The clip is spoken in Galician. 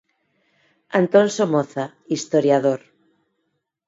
Antón Somoza, historiador.